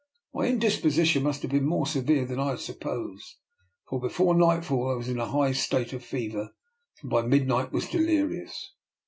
My indisposition must have been more severe than I had sup posed, for before nightfall I was in a high state of fever, and by midnight was delirious.